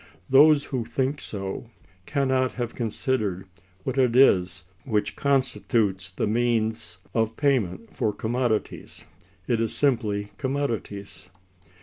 Those who think so can not have considered what it is which constitutes the means of payment for commodities. It is simply commodities.